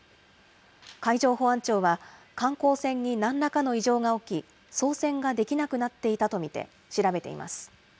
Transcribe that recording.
海上保安庁は、観光船になんらかの異常が起き、操船ができなくなっていたと見て、調べています。